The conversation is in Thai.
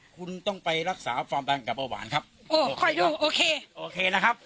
คุณต้องไปรักษาความดันกับเบาหวานครับโอ้ขออยู่โอเคโอเคนะครับ